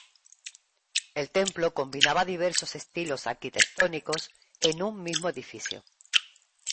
El templo combinaba diversos estilos arquitectónicos en un mismo edificio.